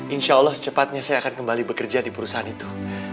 insya allah secepatnya saya akan kembali bekerja di perusahaan itu